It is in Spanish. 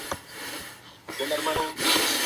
La ciudad más cercana a Ist es Zadar.